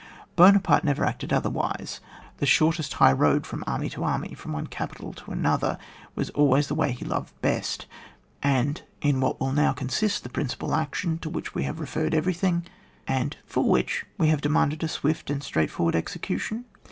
Buonaparte never acted otherwise. The shortest high road from army to army, from one capital to another, was always the way he loved best. And in what will now consist the principal action to which we have re ferred eveiything, and for which we have demanded a swift and straight forward execution?